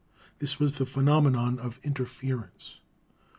This was the phe nomenon of interference.